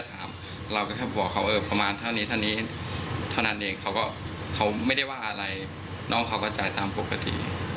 เท่านั้นเองเขาไม่ได้ว่าอะไรน้องเขาก็จ่ายตามปกติ